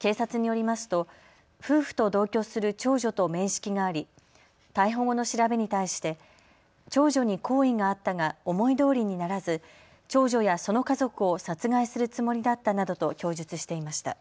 警察によりますと夫婦と同居する長女と面識があり逮捕後の調べに対して長女に好意があったが思いどおりにならず長女やその家族を殺害するつもりだったなどと供述していました。